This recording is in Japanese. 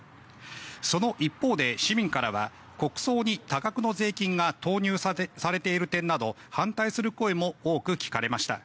その一方で市民からは国葬に多額の税金が投入されている点など反対する声も多く聞かれました。